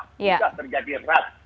sudah terjadi rat